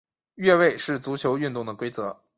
越位是足球运动的规则。